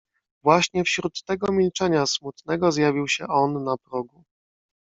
"Właśnie wśród tego milczenia smutnego zjawił się on na progu."